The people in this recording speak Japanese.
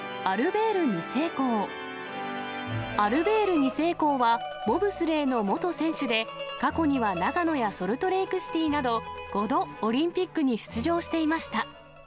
アルベール２世公は、ボブスレーの元選手で、過去には長野やソルトレークシティーなど、５度オリンピックに出場していました。